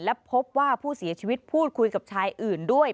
และพบว่าผู้เสียชีวิตพูดคุยกับชายอื่นด้วย